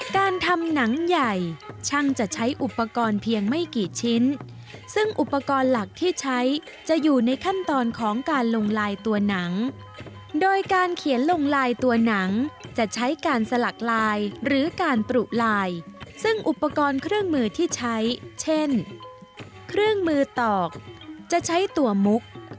การทำหนังใหญ่ช่างจะใช้อุปกรณ์เพียงไม่กี่ชิ้นซึ่งอุปกรณ์หลักที่ใช้จะอยู่ในขั้นตอนของการลงลายตัวหนังโดยการเขียนลงลายตัวหนังจะใช้การสลักลายหรือการปรุลายซึ่งอุปกรณ์เครื่องมือที่ใช้เช่นเครื่องมือตอกจะใช้ตัวมุก